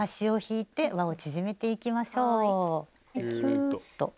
きゅっと。